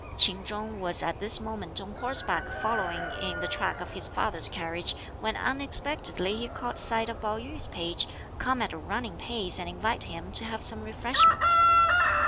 Ch'in Chung was at this moment on horseback following in the track of his father's carriage, when unexpectedly he caught sight of Pao yü's page, come at a running pace and invite him to have some refreshment.